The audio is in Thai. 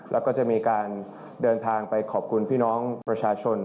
แล้วก็จะมีการเดินทางไปขอบคุณพี่น้องประชาชน